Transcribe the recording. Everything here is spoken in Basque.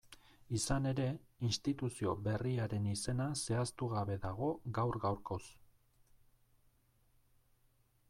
Izan ere, instituzio berriaren izena zehaztugabe dago gaur-gaurkoz.